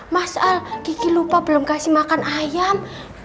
mas al gigi lupa belom ngasih makan ayam